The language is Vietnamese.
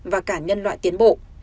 và cả nhân loại tiến bộ